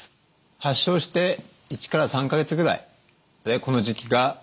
発症して１から３か月ぐらいこの時期が続きます。